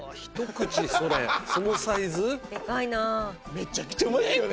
めちゃくちゃうまいですよね。